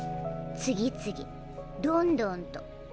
次々どんどんと。